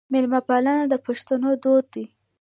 میلمه پالنه د پښتنو دود دی.